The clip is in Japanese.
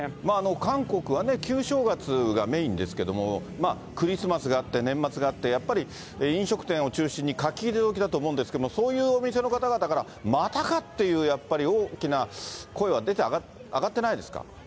韓国はね、旧正月がメインですけれども、クリスマスがあって、年末があって、やっぱり飲食店を中心に書き入れ時だと思うんですけれども、そういうお店の方々から、またかっていう、やっぱり大きな声は出て、